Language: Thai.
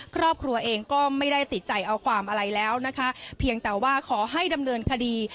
ครอบครัวเองก็ไม่ได้ติดใจเอาความอะไรแล้วนะคะเพียงแต่ว่าขอให้ดำเนินคดี